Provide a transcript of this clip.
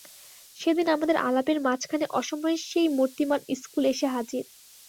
সেদিন আমাদের আলাপের মাঝখানে অসময়ে সেই মূর্তিমান ইস্কুল এসে হাজির।